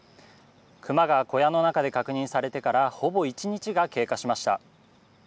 クマが小屋の中で確認されてからほぼ１日が経過しました。